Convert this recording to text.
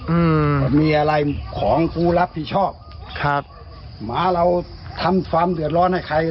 อืมมีอะไรของกูรับผิดชอบครับหมาเราทำความเดือดร้อนให้ใคร